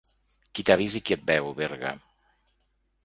Qui t’ha vist i qui et veu, Berga.